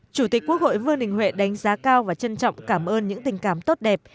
chủ tịch quốc hội vương đình huệ đánh giá cao và trân trọng cảm ơn những tình cảm tốt đẹp